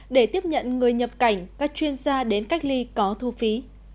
để tiếp nhận người nhập cảnh các chuyên gia đến cách ly có thu phí